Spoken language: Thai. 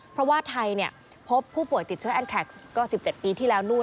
เพราะว่าไทยพบผู้ป่วยติดเชื้อแอนแทรกซ์ก็๑๗ปีที่แล้วนู่น